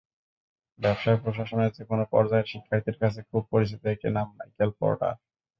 ব্যবসায় প্রশাসনের যেকোনো পর্যায়ের শিক্ষার্থীর কাছে খুব পরিচিত একটি নাম মাইকেল পোর্টার।